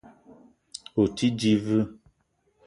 O te di ve?